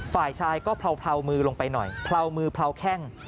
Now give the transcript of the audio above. ฝ่ายชายก็เผลามือลงไปหน่อยเผลามือเผลาแข้ง